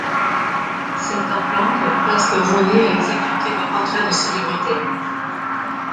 Certains peintres passent leurs journées à exécuter des portraits de célébrités.